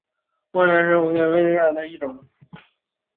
孟连石蝴蝶为苦苣苔科石蝴蝶属下的一个种。